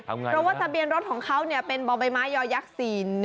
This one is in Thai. เพราะว่าทะเบียนรถของเขาเป็นบ่อใบไม้ยอยักษ์๔๑